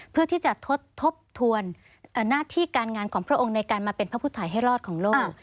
เพื่อที่จะทดทบทวนหน้าที่การงานของพระองค์ในการมาเป็นพระพุทธถ่ายให้รอดของโลก